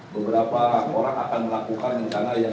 beberapa orang akan melakukan rencana yang